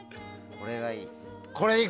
これがいい。